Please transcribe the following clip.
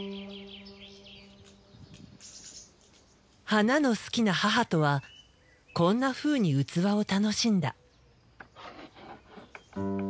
花の好きな母とはこんなふうに器を楽しんだ。